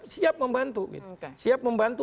siap membantu siap membantu